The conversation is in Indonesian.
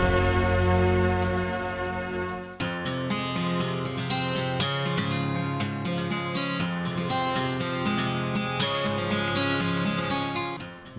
pertani dan peternak